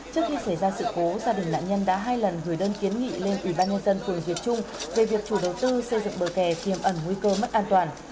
trước khi xảy ra sự cố gia đình nạn nhân đã hai lần gửi đơn kiến nghị lên ủy ban nhân dân phường việt trung về việc chủ đầu tư xây dựng bờ kè tiềm ẩn nguy cơ mất an toàn